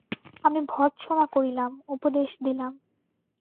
আমি ভর্ৎসনা করিলাম, উপদেশ দিলাম।